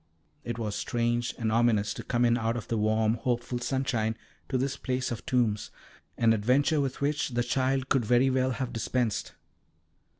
It was strange and ominous to come in out of the warm, hopeful sunshine to this place of tombs, an adventure with which the child could very well have dispensed.